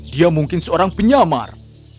dia mungkin seorang penyamar